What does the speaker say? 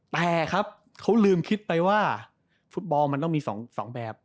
แต่ครับเขาลืมคิดไปว่าฟุตบอลมันต้องมี๒แบบ